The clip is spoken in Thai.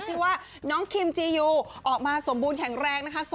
ชื่อว่าน้องคิมจียูออกมาสมบูรณแข็งแรงนะคะ